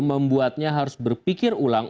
membuatnya harus berpikir ulang